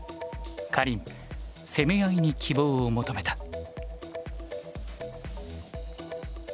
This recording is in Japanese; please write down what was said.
かりん攻め合いに希望を求めた。